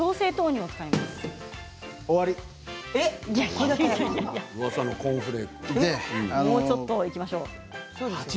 もうちょっといきましょう。